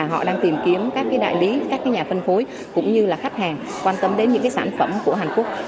họ đang tìm kiếm các đại lý các nhà phân phối cũng như là khách hàng quan tâm đến những sản phẩm của hàn quốc